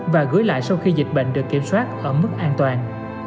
và gửi lại sau khi dịch bệnh được kiểm soát ở mức an toàn